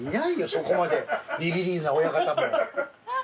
そこまでビビりな親方も。